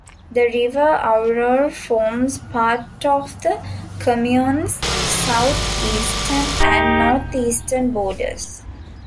The river Auroue forms part of the commune's southeastern and northeastern borders.